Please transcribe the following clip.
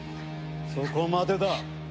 そこまでだ。